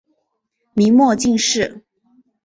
明末进士。